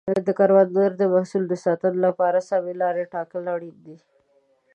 د کروندې د محصول د ساتنې لپاره د سمې لارې ټاکل اړین دي.